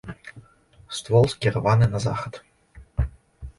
Ствол скіраваны на захад.